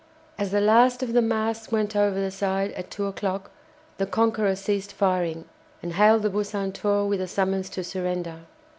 As the last of the masts went over the side at two o'clock, the "Conqueror" ceased firing, and hailed the "Bucentaure" with a summons to surrender.